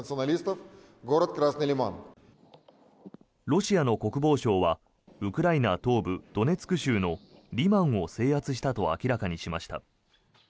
ロシアの国防省はウクライナ東部ドネツク州のリマンを制圧したと明らかにしました。